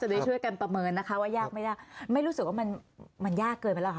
ได้ช่วยกันประเมินนะคะว่ายากไม่ได้ไม่รู้สึกว่ามันมันยากเกินไปแล้วค่ะ